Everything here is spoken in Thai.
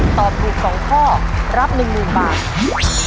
ตอบถูก๒ข้อรับ๑๐๐๐บาท